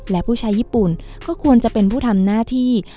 และผู้ชายญี่ปุ่นก็ควรจะเป็นผู้ทำหน้าที่